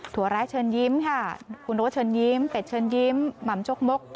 ถั่วแรกเชิญยิ้มค่ะคุณโรชเชิญยิ้มเบ็ดเชิญยิ้มหม่ำโจ๊กมก